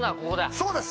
そうです。